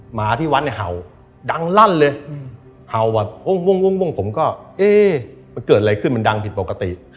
หมาที่วัดเนี่ยเห่าดังลั่นเลยเห่าแบบวงผมก็เอ๊ะมันเกิดอะไรขึ้นมันดังผิดปกติ